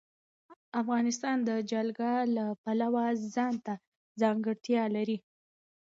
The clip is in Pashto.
افغانستان د جلګه د پلوه ځانته ځانګړتیا لري.